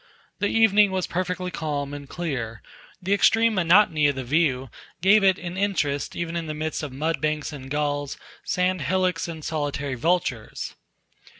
The evening was perfectly calm and clear; the extreme monotony of the view gave it an interest even in the midst of mud banks and gulls sand hillocks and solitary vultures.